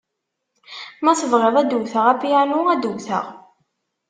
Ma tebɣiḍ ad d-wteɣ apyanu, ad d-wteɣ.